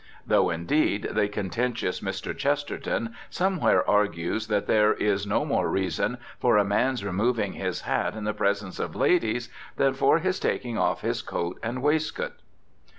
Though, indeed, the contentious Mr. Chesterton somewhere argues that there is no more reason for a man's removing his hat in the presence of ladies than for his taking off his coat and waistcoat.